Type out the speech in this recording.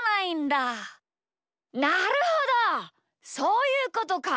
なるほどそういうことか！